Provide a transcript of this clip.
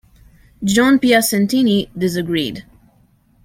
John Piacentini disagreed.